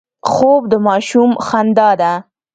خوب د ماشوم خندا ده